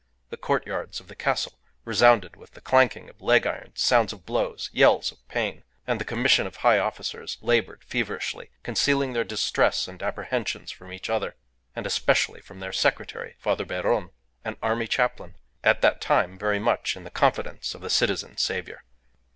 The courtyards of the castle resounded with the clanking of leg irons, sounds of blows, yells of pain; and the commission of high officers laboured feverishly, concealing their distress and apprehensions from each other, and especially from their secretary, Father Beron, an army chaplain, at that time very much in the confidence of the Citizen Saviour.